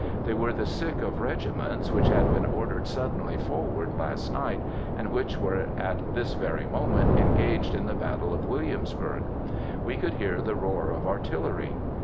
They were the sick of regiments which had been ordered suddenly forward last night, and which were at this very moment engaged in the battle of Williamsburg; we could hear the roar of artillery.